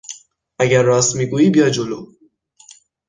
اگر راست میگویی بیا جلو!